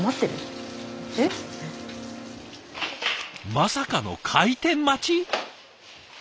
まさかの開店待ち？